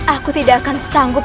aku tidak akan sanggup